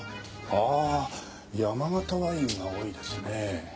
ああ山形ワインが多いですね。